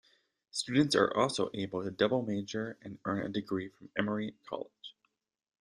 Students are also able to double major and earn a degree from Emory College.